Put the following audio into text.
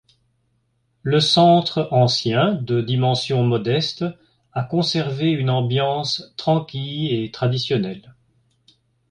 Le centre ancien, de dimension modeste, a conservé une ambiance tranquille et traditionnelle.